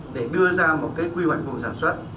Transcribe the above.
để đưa ra một cái quy hoạch vùng sản xuất